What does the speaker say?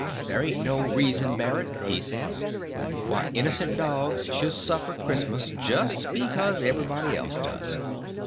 There ain't no reason, Barret', he says, 'why innocent dogs should suffer Christmas just because everybody else does.